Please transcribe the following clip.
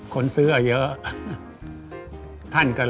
โปรดติดตามต่อไป